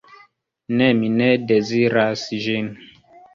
Ne, mi ne deziras ĝin.